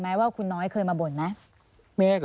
พ่อที่รู้ข่าวอยู่บ้าง